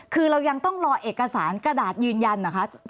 คือเรายังต้องรอเอกสารกระดาษยืนยันเหรอคะ